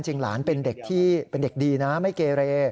จริงหลานเป็นเด็กดีนะครับไม่เกเร